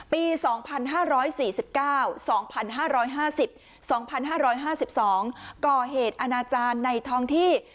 ปี๒๕๔๙๒๕๕๐๒๕๕๒ก่อเหตุอาณาจารย์ในท้องที่